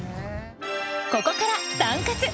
ここから「タンカツ」。